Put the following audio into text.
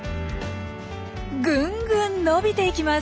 ぐんぐん伸びていきます。